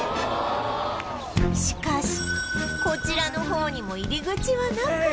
しかしこちらの方にも入り口はなく